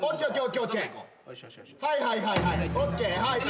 はいはいはいはい。ＯＫ。